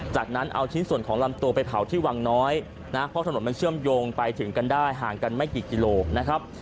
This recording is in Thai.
จากนั้นเอาชิ้นส่วนของลำตัวไปเผาที่วังน้อยนะเพราะถนนมันเชื่อมโยงไปถึงกันได้ห่างกันไม่กี่กิโลนะครับ